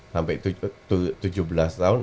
sampai tujuh belas tahun